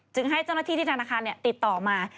ให้เจ้าหน้าที่ที่ธนาคารติดต่อมา